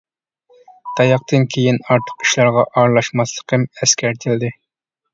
تاياقتىن كېيىن ئارتۇق ئىشلارغا ئارىلاشماسلىقىم ئەسكەرتىلدى.